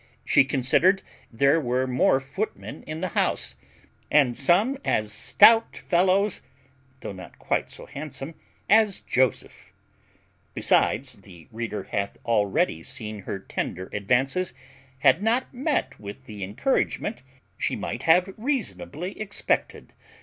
She considered there were more footmen in the house, and some as stout fellows, though not quite so handsome, as Joseph; besides, the reader hath already seen her tender advances had not met with the encouragement she might have reasonable expected.